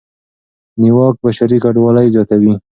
نیواک بشري کډوالۍ زیاتوي.